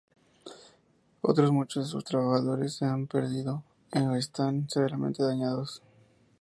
Otros muchos de sus trabajos se han perdido o están severamente dañados.